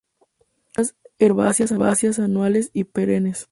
Plantas herbáceas anuales o perennes.